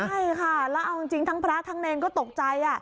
ใช่ค่ะแล้วเอาจริงทั้งพระทั้งเนรก็ตกใจ